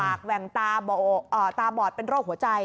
แหว่งตาบอดเป็นโรคหัวใจ